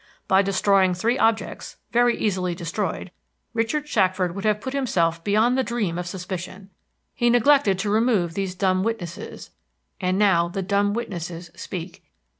By destroying three objects, very easily destroyed, Richard Shackford would have put himself beyond the dream of suspicion. He neglected to remove these dumb witnesses, and now the dumb witnesses speak!